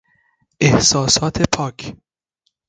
احساسات پاک